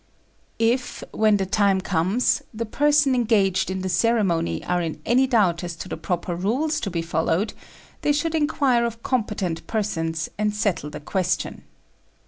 If, when the time comes, the persons engaged in the ceremony are in any doubt as to the proper rules to be followed, they should inquire of competent persons, and settle the question.